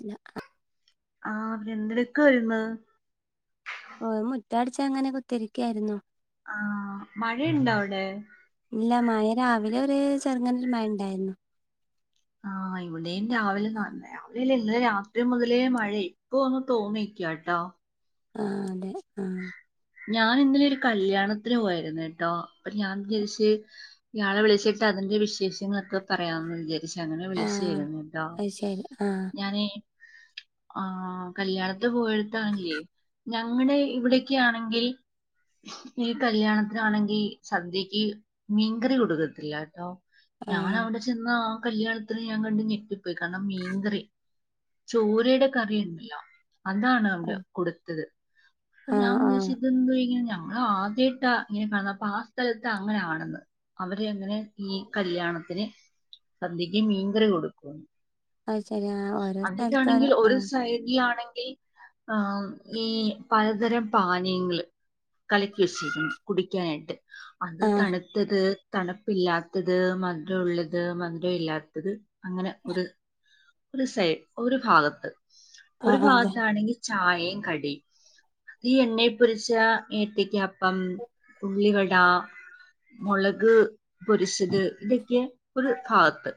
ഇല്ല ആഹ് പിന്നെ എന്തെടുക്കുവായിരുന്ന്? ഓ മുറ്റടിച്ചങ്ങനെ കുത്തിരിക്കായിരുന്നു. ആഹ് മഴേണ്ടാവടെ? ഇല്ല മയ രാവിലെ ഒര് ചെറുങ്ങനെ ഒരു മഴേണ്ടായിരുന്നു. ആഹ് ഇവിടെയും രാവിലെ [unintelligible] രാവിലെല്ല ഇന്നലെ രാത്രി മുതലേ മഴേ ഇപ്പ ഒന്ന് തോന്നിക്കാട്ടോ. ആഹ് അതെ ആഹ് ഞാൻ ഇന്നലെ ഒരു കല്യാണത്തിന് പോയിരുന്നുട്ടോ, അപ്പൊ ഞാൻ വിചരിച്ച് ഇയാളെ വിളിച്ചിട്ട് അതിന്റെ വിശേഷങ്ങളൊക്കെ പറയാന്ന് വിച ച്ച് അങ്ങനെ വിളിച്ചേ ആഹ് ആയിരുന്നു ട്ടോ അത് ശരി ആഹ് ഞാനേ ആ കല്യാണത്തി പോയെടുത്താണെല്ല്യേ ഞങ്ങടെ ഇവിടെയൊക്ക്യാണെ ഈ ഈ കല്യാണത്തിനാണെങ്കി സദ്യക്ക് മീൻകറി കൊടുക്കത്തില്ല ട്ടോ ഞാൻ ആഹ് അവിടെ ചെന്നാ കല്ല്യാണത്തിന് ഞാൻ കണ്ട് ഞെട്ടിപ്പോയി കാരണം മീൻകറി ചോരെടെ കറിണ്ടല്ലോ അതാണ് അവിടെ ആഹ് കൊടുത്തത്. അപ്പൊ ആഹ് ഞാൻ ആഹ് വിചാരിച്ചു [unintelligible] ഞാൻ ആദ്യായിട്ടാ ഇങ്ങനെ കാണുന്നേ അപ്പൊ ആഹ് സ്ഥലത്ത് അങ്ങനാണെന്ന്, അവര് അങ്ങനെ ഈ കല്യാണത്തിന് സദ്യക്ക് മീൻകറി കൊടുക്കുന്ന്. അത് ശരി ആഹ് ഓരോ സ്ഥലത്ത് ഓരോ അന്നിട്ടാണെങ്കിൽ ഒരു ആഹ് സൈടിലാണെങ്ക ആഹ് ഈ പലതരം പാനീയങ്ങള് കലക്കി വെച്ചേക്കുന്നു കുടിക്കാനായിട്ട്. അത് ആഹ് തണുത്തത് തണുപ്പില്ലാത്തത് മധുരം ഉള്ളത് മധുരം ഇല്ലാത്തത്. അങ്ങനെ ഒരു ഒരു സൈ ഒരു ഭാഗത്ത് ഒരു ആഹ് അതെ ആഹ് ഭാഗത്താണെങ്കി ചി ചായയും കടീം ഈ എണ്ണയിൽ പൊരിച്ച ഏത്തക്കപ്പം ഉള്ളിവട മുളക് പൊരിച്ചത് ഇതൊക്കെ ഒരു ഭാഗത്ത്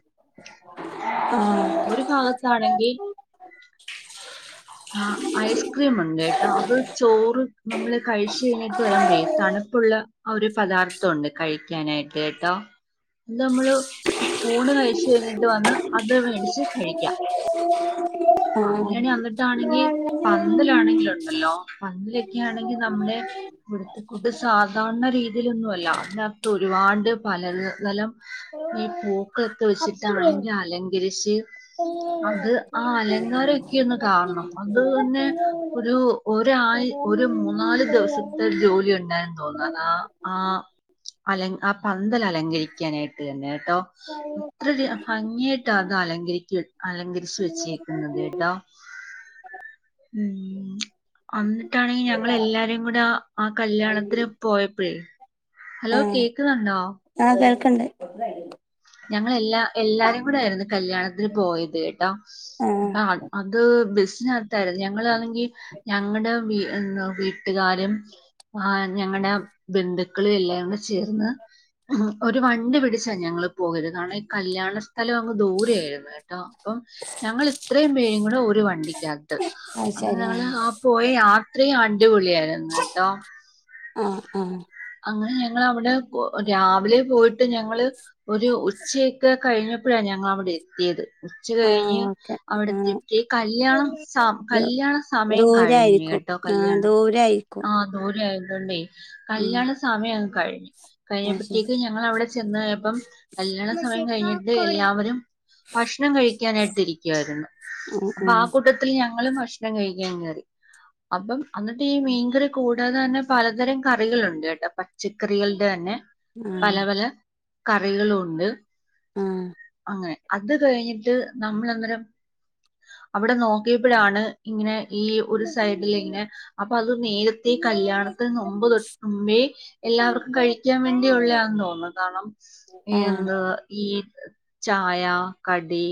ആഹ് ഒരു ഭാഗത്താണെങ്കി ആഹ് ഐസ്ക്രീം ഉണ്ട് കേട്ടോ അത് ചോറ് നമ്മള് കഴിച്ചു കഴിഞ്ഞിട്ട് വരുമ്പഴേ തണുപ്പുള്ള ഒരു പദാർത്ഥം ഉണ്ട് കഴിക്കാനായിട്ട് കേട്ടോ അത് നമ്മള് പൂണ് കഴിച്ചു കഴിഞ്ഞിട്ട് വന്ന് അത് മേടിച്ച് കഴിക്കാം. അങ്ങനെ അന്നിട്ടാണെങ്കി പന്തലാണെങ്കി ഉണ്ടല്ലോ? പന്തലൊക്കെ ആണെങ്കിൽ നമ്മുടെ ഇവിടത്തെക്കൂട്ട് സാധാരണ രീതിയിലൊന്നും അല്ല അതിനകത്ത് ഒരുപാട് പലതലം ഈ പൂക്കളൊക്കെ വെച്ചിട്ടാണെങ്കിൽ അലങ്കരിച്ച് അത് ആഹ് അല ങ്കാരെ ക്കെ ഒന്ന് കാണണം അത് തന്നെ ഒരു ഒ ഒരു മൂന്നാല് ദിവസത്തെ ജോലി ഉണ്ടായന്ന് തോന്നത ആ ആ അല ആ പന്തൽ അലങ്കരിക്കാനായിട്ട് തന്നെ കേട്ടോ അത്ര ഭംഗിയായിട്ട് അത് അലങ്കരിക്ക അലങ്കരിച്ചു വെച്ചേ ുന്നത് ട്ടോ ഉം അന്നിട്ടാണെങ്ക ഞങ്ങ എല്ലാരേും കൂടെ ആ കല്യാണത്തിന് പോയപ്പോഴേ ഹലോ ആഹ് കേക്കുന്നുന്തോ ആഹ് കേൾക്കണ്ട് ഞങ്ങള എല്ലാ എല്ലാരും കൂടെ ആരുന്നു കല്യാണത്തിന് പോയത് കേട്ടോ ആഹ് അ അത് ബസ് ആ തര ഞങ്ങാണെങ്കിൽ ഞങ്ങളുടെ എ വീട്ടുകാരും ആ് ഞങ്ങളുടെ ബന്ധുക്കളും എല്ലാം കൂടെ ചേർന്ന് ഒരു വണ്ടി പിടിച്ചാ ഞങ്ങൾ പോയരുത് കാരണം ഈ കല്യാണ സ്ഥലം അങ്ങ് ദൂര ആായിരുന്നു കേട്ടോ അപ്പം ഞങ്ങ ഇത്രയും പേഴും കൂടെ ഒരു വണ്ടിക്ക അത് അത് അങ്ങനെ ശരി ഞങ്ങള്ൾ ആഹ് ആ പോയ യാത്രയും എപളിയായിരുന്നു കേട്ടോ ആഹ ആഹ അങ്ങനെ ഞങ്ങവിടെ രാവിലെ പോയിട്ട് ഞങ്ങള് ഒരു ഉച്ചയൊക്കെ കഴിഞ്ഞപ്പോഴാണ് ഞങ്ങള അവിടെ എത്തിയത് ഉച്ച ആഹ് കഴിഞ്ഞ് ഓക്കെ ആഹ് അവിടത്തെേ കല്യാണം സ ദൂ കല്യാണ സമയം കഴിഞ്ഞു ദൂരായിരിക്കും കേട്ടോ ആഹ് കല്യാണം ദൂരായിരിക്കും ആ ദൂരയി ഉ ക ഉം ഇാണ് സമയം ക അത് ശരി കഴിഞ്ഞപ്പോഴത്തേക്ക് ഞങ്ങൾ അവിടെ ചെന്ന് ഇ കല്യാണം സമയം കഴിഞ്ഞിട്ട് എല്ലാവരും ഭക്ഷണം കഴിക്കാനായിട്ട് ഇരിക്കുവായിരുന്നു ആഹ് അപ്പൊ ആ ആഹ് കൂട്ടത്തിൽ ഞ- ഭക്ഷണം കഴിക്കാൻ കേറി അപ്പം എന്നിട്ട് ഈ മീൻകറി കൂടാതെ തന്നെ പലതരം കറികളുണ്ട് കേട്ടപ്പ എറച്ചിക്കറികളുടെ തന്നെ പല ആഹ് പല കറികളുണ്ട് ആഹ് അങ്ങനെ അത് കഴിഞ്ഞിട്ട് നമ്മൾ അന്നേരം അവിടെ നോക്കിയപ്പോഴാണ് ഇങ്ങനെ ഈ ഒരു സൈഡിൽ ഇങ്ങനെ അപ്പൊ അത് നേരത്തെ കല്യാണത്തിന് മുമ്പ് തൊട്ട് എല്ലാവർക്കും കഴിക്കാൻ വേണ്ടിയുള്ള ആന്ന് തോന്നുന്നത് കാരണം ആഹ് എന്ത് ചായ കടി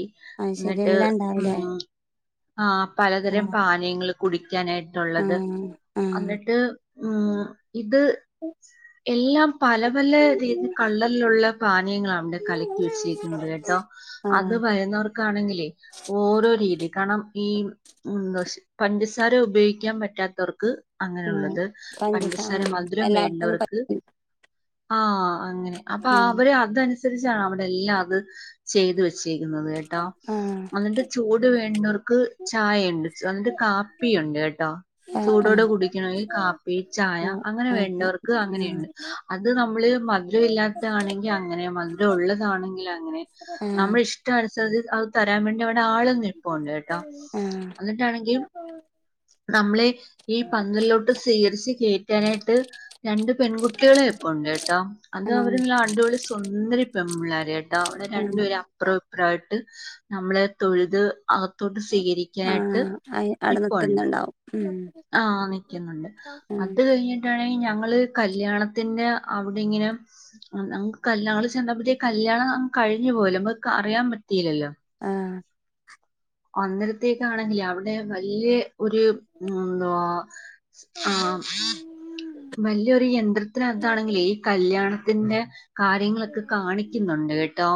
ഐശരി എന്നിട്ട് എല്ലാംണ്ടാവലേ ഉം ആ പലതരം പാനീയങ്ങൾ കുടി ക്കാനായിട്ടുള്ളത് ആഹ് ആഹ് എന്നിട്ട് ഉം ഇത് എല്ലാം പല പല രീതി കളറിലുള്ള പാനീയങ്ങളാണ് കലക്കി വെച്ചിരിക്കുന്നത് കേട്ടോ അത് ആഹ് വരുന്നവർക്കാണെങ്കിലേ ഓരോ രീതി കാരണം ഈ ഉം പഞ്ചസാര ഉപയോഗിക്കാൻ പറ്റാത്തവർക്ക് അങ്ങനെയുള്ളത് പഞ്ച ആ എല്ലാർക്കും ഒന്നും പറ്റില്ല ആ അങ്ങനെ അപ്പൊ അവര് അതന ച്ചാ അവിടെ എല്ലാം അത് ചെയ്തു വെച്ചത് വെച്ചേക്കുന്നത് കേട്ടോ ആഹ് എന്നിട്ട് ചൂട് വേണ്ടവർക്ക് ചായ ഉണ്ട് അന്ന് കാപ്പിയുണ്ട് കേട്ടോ ചൂടോടെ ആഹ് കുടിക്കണമെങ്കിൽ കാപ്പി ചായ ആഹ് അങ്ങനെ ആഹ് ഓക്കെ വേണ്ടവർക്ക് ആഹ് അങ്ങനെയുണ്ട് അത് നമ്മള് മധുരം ഇല്ലാത്തതാണെങ്കിൽ അങ്ങനെ മധുരം ഉള്ളതാണെങ്കിൽ അങ്ങനെ നമ്മള ആഹ് ഇഷ്ടം അനുസ ച്ചത് അത് തരാൻ വേണ്ടി അവിടെ ആൾ നിപ്പുണ്ട് കേട്ടോ ആഹ് എന്നിട്ടാണെങ്കിൽ നമ്മളെ ഈ പന്തലിലോട്ട് സ്വീകരിച്ച് കേറ്റി- റ്റാനായിട്ട് രണ്ട് പെൺകുട്ടികള് നിപ്ഉണ്ട് കേട്ടോ അത് ആഹ് അവര് നല്ല അടിപൊളി സുന്ദരി പെൺ പിള്ളേര് കേ ട്ടോ അവിടെ ആഹ് രണ്ടുപേര് അപ്പുറം ഇപ്ര ആയിട്ട് നമ്മളെ തൊഴുത് അകത്തോട്ട് സ്വീകരിക്കാനായിട്ട് ആഹ് അയ് അവിടെ നിപ്പുണ്ട് നിക്കുന്നുണ്ടാവും ഉം ആ നിക്കുന്നുണ്ട് ആഹ് അത് കഴിഞ്ഞിട്ടാണെങ്കിൽ ഞങ്ങ ള് കല്യാണത്തിന്റെ അവിടെ ഇങ്ങനെ ഞങ്ങൾ ചെന്നപ്പോത്തിനു കല്യാണം കഴിഞ്ഞു പോലും ഞങ്ങക്ക് അറിയാൻ പറ്റീല്ലല്ലോ ആ അന്നരത്തേക്ക് ആണെങ്കിൽ അവിടെ വല്യ ഒരു എന്തോ ആ വലിയൊരു യന്ത്രത്തിന് അകത്തണെങ്കിലേ ഈ കല്യാണത്തിന്റെ കാര്യങ്ങളൊക്കെ കാണിക്കുന്നുണ്ട് കേട്ടോ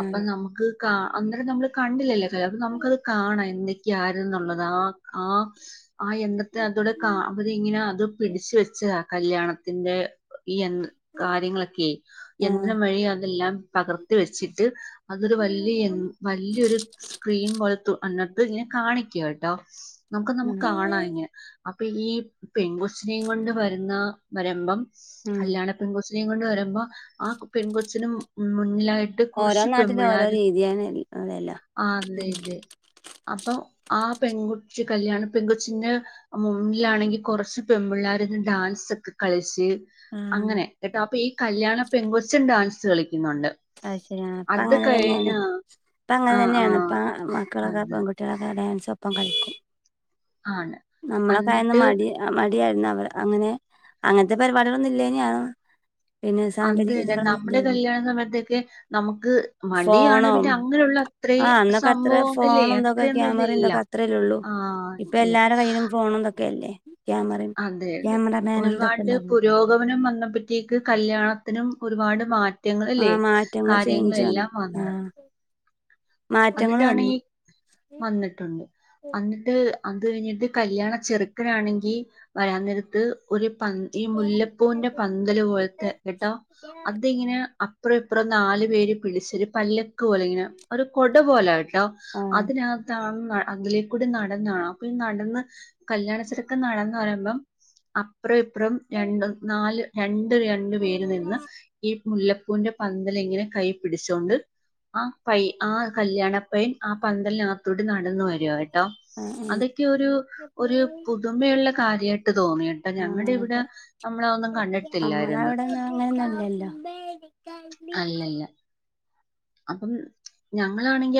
അപ്പൊ നമുക്ക് കാ ആ അന്നേരം നമ്മള് കണ്ടില്ലല്ലേ കതു കാണാം എന്നി ക്യാരുന്നുള്ളത് ആ ആ ആ യന്ത്രത്തെ അതോടെ അവരിങ്ങനെ അത് പിടിച്ച വെച്ചത കല്യാണത്തിന്റെ ഈ യ കാര്യങ്ങളൊക്കെ ആഹ് യന്ത്രം വഴി അതെല്ലാം പകർത്തി വെച്ചിട്ട് അതൊരു വലിയ വലിയൊരു സ്ക്രീൻ പോലെ അന്നത്ത് ഇനെ കാണിക്കട്ടോ നമ്മുക്ക് കാണാം ആഹ് ഇ ഇപ്പൊ ഈ പെൺകൊച്ചിനെയും കൊണ്ട് വരുന്ന രമ്പം ഉം കല്യാണ പെൺകൊ- കൊണ്ട് വരുമ്പോ ആ പെൺകൊച്ചിനും ഉം മുന്നിലായിട്ട് ഓരോ കുറച്ച് നാട്ടിലും ഓരോ പെൺപിള്ളേർ രീതിയാണ് അതെല്ലോ ആ ഉം ദേദേ അപ്പൊ ആ പെൺകുട്ടി കല്യാണം പെൺകൊച്ചിന്റി മുന്നിലാണെങ്കിൽ കുറച്ച് പെൺപിള്ളേർഡാൻസ് ഒക്കെ കളിച്ച് ആഹ് അങ്ങനെ കേട്ടോ അപ്പൊ ഈ കല്യാണ പെൺകൊച്ചും ഡാൻസ് കളിക്കും അ ശരിയ അപ്പ അങ്ങനെ തന്നെയാണ് ആ അപ്പ അങ്ങനെ ആ ആ തന്നെയാണ്പ്പ അത് പെൺകുട്ടികളൊക്കെ ഡാൻസൊപ്പം കളിക്കും ആണ് നമ്മളക്കാഴന്ന് എന്നിട്ട് മടി മ മടിയിരുന്നു അവർ അങ്ങനെ അങ്ങനത്തെ പരിപാടികള ഒന്നും ഇല്ലേനി ആണ് അനത് തന്നെ നമ്മുടെ കല്യാണം നമുക്ക് മടിയാണ് ഫോണോ പിന്നെ അങ്ങനെയുള്ള അത്ര ആ അന്നൊക്കെ അത്ര സംഭവം ഇല്ലേ ഫോണും ഇതൊക്കെ അത്രൊന്നും ഇല്ല ക്യാമറയും ഇല്ല ഇതൊക്കെ അത്രല്ലേ ഉള്ളൂ ആല്ല ക്കേല്ലെ [unintelligible] അതെ അതെ ഇതൊക്കെ ഒരുപാട് ഉണ്ടാവും പുരോഗമനും വന്ന പത്തേക്ക് കല്യാണത്തിനും ഒരുപാട് മാറ്റ ആ മാറ്റങ്ങൾ ചെയിഞ്ച് വന്നു ആ മാറ്റങ്ങൾ വന്നു എന്നിട്ടാണെങ്കിൽ വന്നിട്ടുണ്ട് അന്നിട്ട് അത് കഴിഞ്ഞിട്ട കല്യാണ ചെറുക്കനാണെങ്കിൽ വരാന് നേരത്ത് ഒരു ഈ മുല്ലപ്പൂന്റെ പന്തല് പോലത്തെ കേട്ടോ അതിങ്ങനെ അപ്പ്ര ഇപ്ര ന്നാല് പേര് പിടിച്ചൊരു പല്ലക്ക് പോലെങ്ങെനെ ഒരു കൊട പോലാക്കി കേട്ടോ ആ അതിനകത്താണ് ആ അതിലേക്കുടി നടന്നാണോ അപ്പൊ ഈ ന്നടന്ന് കല്യാണച്ചെർക്കൻ ന്നടന്ന് വരുമ്പോ അ- അപ്പ്രോ ഇപ്പ്രം രണ്ട് ന്നാല് ര രണ്ട് പേര് ന്നിന്ന് ഈ മുല്ലപ്പൂവിന്റെ പന്തലിങ്ങനെ കൈ പിടിച്ചോണ്ട് ആ കൈ ആ കല്യാണപ്പെൻ ആ പന്തലിനകത്തൂടി ന്നടന്നു വരുവായി ട്ടോ ആ ആ അതൊക്കെ ഒരു ഒരു പുതുമയുള്ള കാര്യായിട്ട് തോന്നിട്ടൊ ആ ഞങ്ങടിവടെ അതെ അമ്മളതൊന്നും കണ്ടിട്ടില്ലായിരുന്നു നമ്മളവിടെ ഒന്നും അങ്ങനെയൊന്നുമല്ലല്ലോ അല്ലല്ല അപ്പം ഞങ്ങളാണെങ്കി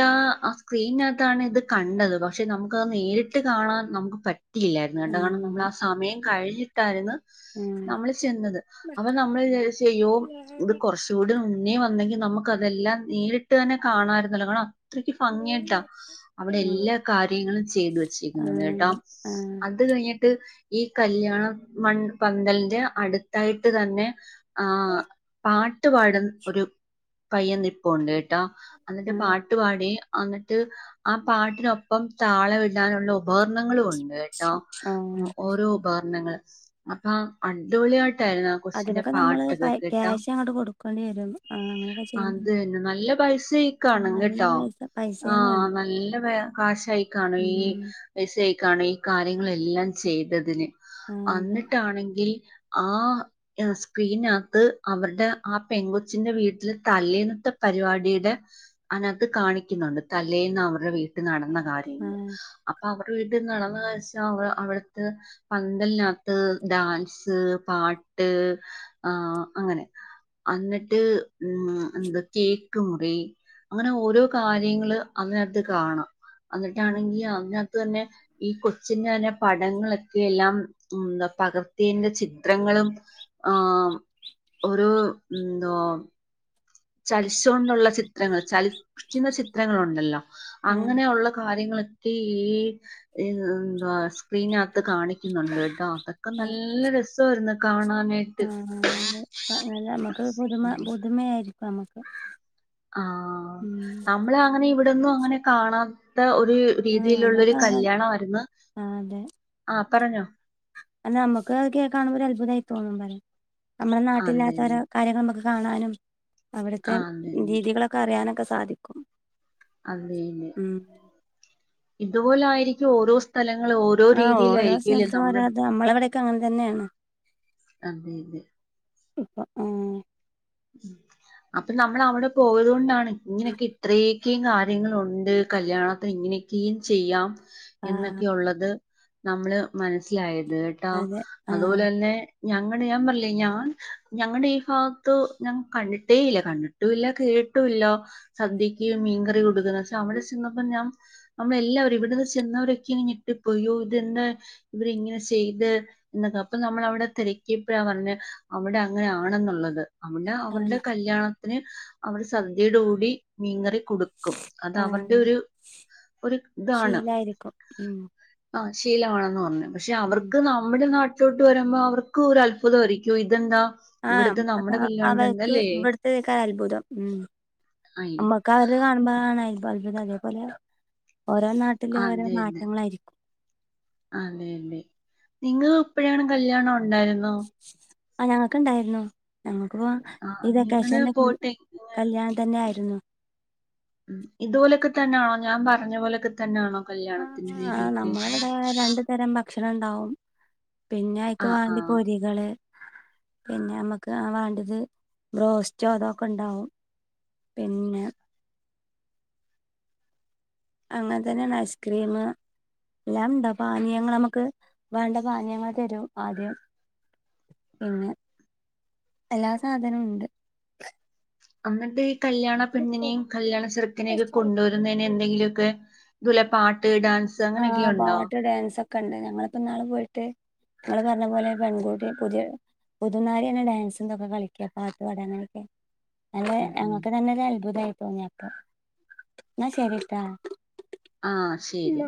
ആ സ്ക്രീനിനകത്താണ് ഇത് കണ്ടത് പക്ഷെ നമുക്കത് നേരിട്ട് കാണാൻ നമുക്ക് പ റ്റിയില്ലായിര്ന്ന് ആ ഇന്ന്ട്ടാണ് നമ്മളാ അതെ സമയം കഴികിട്ടാര്ന്നു ആ ആ നമ്മള്ച്ചെന്നത് അപ്പ നമ്മള് [unintelligible] ചെയ്യോ ഇത് കുറച്ചുകൂടി മുന്നേ വന്നെങ്കി നമ്മ ക്ക് അതെല്ലാ നേരിട്ട് തന്നെ കാണായിരുന്നല്ലോ ങ്ങളാ അത്രക്ക് ഫങ്ങിയാട്ടോ. അവടെ എല്ലാ കാര്യങ്ങളും ചെയ്തു ആ വെച്ചിരിക്കുന്നുണ്ട് ഏട്ടോ. അതെ ആ അത് കഴിഞ്ഞ്ട്ട് ഈ കല്യാണ മൺ പന്തൽൻ്റെ അടുത്തായിട്ട്തന്നെ ആ പാ ട്ടു പാടൻ ഒരു പയ്യൻ നി പ്പുണ്ട് ഏ ട്ടോ അന്നിട്ട് ആ പാട്ട് പാടി അങ്ങട്ട് ആ പാട്ടിനൊപ്പം താളവിടാനുള്ളൊപകരണങ്ങളുണ്ട് കേട്ടോ ആഹ് അത് ഉം ശരി ഓരോപകരണങ്ങൾ അപാ അഡിപൊളിയാ അതിനൊക്കെ നമ്മള് പൈ ക്ക്യാഷങ്ങട്ട് കൊടു അതന്നെ ന്നല്ലപൈസായിക്കാണും നല്ല കേട്ടോ. പൈസ ആ പൈസയും വേണം ന്നല്ലപേ കാഷായിക്കാണും ഈ ഉം പൈസയി കാണും ഈ കാര്യങ്ങളല്ലാം ചെയ്തതിന് ആഹ് അതെ അന്നിട്ടാണെങ്കി ആ സ്ക്രീനകത്ത് അവര്ടെ ആ പെൺകൊച് ചിൻ്റെ വീട്ടിൽ തലേന്നത്തെപരിപാടീടെ അനകത്ത് കാണിക്കുന്നുണ്ട് തലേന്നവരുടെ വീട്ടിൽ ന്നടന്ന കാര്യങ്ങൾ ആഹ് അപ്പൊ അവ [unintelligible] അവിടത്തെ പന്തലിനകത്ത് ഡാൻസ് പാട്ട് ആ അങ്ങനെ അന്നിട് ട്ട് ഉം എന്താ കേക്ക് മുറി അങ്ങനെ ഓരോ കാര്യങ്ങള് അതിനാത്ത് കാണാ ഉം അന്നിട്ടാണെങ്കി അതിനാത് ത് തന്നെ ഈ കൊച്ചിങ്ങന്നെ പടങ്ങളൊക്കെ എല്ലാം ഉം ന്താ പകർത്തിയേന്റെ ചിത്രങ്ങളും ആം ഓരോ ഉം ദോം ചലിശ്ശോണ്ടുള്ള ചിത്രങ്ങൾ ചലി ക്കുന്ന ചിത്രങ്ങളൊണ്ടല്ലോ ആഹ് അങ്ങനെ ഒള്ള കാര്യങ്ങള് റ്റീ ഈ എന്താ സ്ക്രീൻ ആ ത്ത് കാണിക്കുന്നൊണ്ട്ട്ടാ അതൊക്കെ നല്ല രസാരുന്ന് കാണാൻ ആ ആ അതേ പ്പ ഞ ഞമക്ക് പുതുമ പുതുമയാരി നമ്ക്ക് ആ നമ്മള് അങ്ങനെ ഇ ഇവിടൊന്നും അങ്ങനെ കാണാ ത്ത ഒരു ആഹ് രീതിയിലൊള്ളൊരു നമ്മക്ക് കല്യാണവാരുന്ന് അ പറഞ്ഞോ അല്ലാ അമ്മക്ക് അതൊക്കെ കാണുമ്പാെരൽഭുതായി തോന്നും പറയ നമ്മളെ അതന്നെ നാട്ടീല്ലാത്തൊരോ കാര്യങ്ങമ്മക്ക് കാണാനും അവിടുത്തെ ആഹ് അതന്നെ രീതികളൊക്കെ അറിയാനൊക്കെ സ് സാധിക്കും അതേന്നേ ഉം ഇതുപോലായിരിക്കും ഓരോ സ്ഥല ങ്ങള് ഓരോ ആഹ് ഓരോ രീതിയിലായിക്കില്ലെ സ്ഥലത്തും ഓരോ നമ്മ ഇത് നമ്മളെ ഇവിടെയൊക്കെ അങ്ങനെ തന്നെയാണ് അതേതെ ഇപ്പ ഊം അപ്പൊ നമ്മളവിടെ പോയതോണ്ടാണ് ഇങ്ങനെക്കെ ഇത്രേം ക്ക് കാര്യങ്ങളൊണ്ട് കല്യാണത്തിനിങ്ങിനിക്കേം ചെയ്യാം ആഹ് എന്നൊക്കെയൊള്ളത് നമ്മള് മനസ്സിലായ ത്ട്ടോ അതെ ആഹ് അതുപോലെതന്നെ ഞങ്ങടെ ഞാമ്പർല്ലേ ഞാൻ ഞങ്ങടെ ഈ ഫാ ത്തു ഞാൻ കണ്ടിട്ടേ ഇല്ല കണ്ടിട്ടുല്ല കേട്ടുല്ല സദ്യക്ക്യ് മീങ്കറി കൂട്ടുന്നത് ശ്ശെ അവിടെ ചെന്നപ്പ ഞാൻ നമ്മെല്ലാവരും ഇവിടുന്ന് ചെന്നവരൊക്കെങ്ങ് ഞെട്ടിപ്പോയി യ്യോ ഇതെതെന്താ ഇവര് ഇങ്ങനെ ചെയ്ത് ന്നൊക്കെ അപ്പ നമ്മളവിടെ തെരക്കിയപ്പഴാ പറഞ്ഞെ അവിടെ അങ്ങനെ ആണെന്നുള്ളത് അന്ന് അവർടെ ആഹ് കല്യാണം തിന് അവര് സദ്യേടെ കൂടി മീങ്കറി കൊട്ക്കും അതവര്ടെ ആഹ് ഒരു ഒരു താണ് ശീലായിരിക്കും ഉം ആ ശീലമാണെന്ന് പറഞ്ഞു പക്ഷെ ഉം അവർക്ക് നമ്മുടെ നാ ലോട്ട് വരുമ്പോ അവർക്ക് ഒരു അത്ഭുതമായിയിരിക്കും ഇതെന്താ ആഹ് ഇവിട്ത്തെ അപ്പ നമ്മ്ടെ അവർക്ക് ഇവിടത്തെക്കാ അത്ഭുതം ഉം ആയി അമ്മക്ക് അവര് കാണുമ്പ ണ് അത്ഭുതം അതെപോലെ ഓരോ നാട്ടിലും ഓരോ അതെന്നെ മാറ്റങ്ങളായിരിക്കും നിങ്ങളുപ്പോഴയാണ് കല്യാണാെ ണ്ടായിര്ന്നോ ആ ഞങ്ങൾക്ക്ണ്ടായിരുന്നു ഞങ്ങൾ അ ആഹ് നിങ്ങള് ഇതൊക്കെശന്റെ പോട്ടെ കല്യാണം തന്നെ ആയി ഉ ഇതുപോലെയൊക്കെ തന്നെയാണോ ഞാൻ പറഞ്ഞ പോലൊക്കെ തന്നെയാണോ ആ കല്യാണത്തിന്റെ ആ രീതിയൊക്കെ നമ്മള ഇവിടെ രണ്ടു തരം ഭക് ക്ഷണം ഉണ്ടാവും പിന്നെ അയ്ക്ക് ആഹ് വേണ്ടി ആഹ് പൊരികള് പിന്നെ നമ്മക്ക് ആ വേണ്ടത് ബ്രോസ്റ്റോ അതെക്കെ ഉണ്ടാവും പിന്നെ അങ്ങനെ തന്നെയാണ് ഐസ്ക്രീം എല്ലാം ഉണ്ടാ പാനീയങ്ള് നമുക്ക് വേണ്ട പാനീയങ്ങൾ തരും ആദ്യം പിന്നെ എല്ലാ സാധനവും ഉണ്ട് അന്നിട്ട് കല്യാണ പെണ്ണിനെയും കല്യാണ ചെറുക്കനെയൊക്കെ കൊണ്ടുവരുന്നതിന് എന്തെങ്കിലുമൊക്കെ ഇതുല പാട്ട് ഇടാൻ ആ പാട്ട് ഡാൻസ് ഒക്കെ ക്കണ്ട് ഞങ്ങളിപ്പോ ന്നാള് പോയിട്ട് ഞങ്ങള് പറഞ്ഞ പോലെ പെൺകുട്ടി പുതിയ പുതന്നാരി തന്നെ ഡാൻസന്തൊക്കെ കളിക്ക പാട്ട് പാടനെയൊക്കെ അല്ല ഉം ഉം ഞങ്ങക്ക് തന്നൊരു അത്ഭുതമായിരുന്നു തോന്നിയപ്പ എന്ന ശരിട്ടാ ആ ശരി